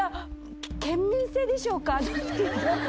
県民性でしょうか。